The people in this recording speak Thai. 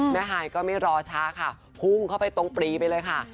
ฮายก็ไม่รอช้าค่ะพุ่งเข้าไปตรงปรีไปเลยค่ะ